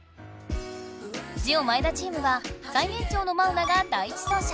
ジオ前田チームは最年長のマウナが第１走者。